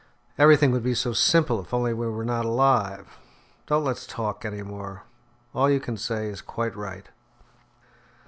Everything would be so simple if only we were not alive. Don't let's talk any more. All you can say is quite right."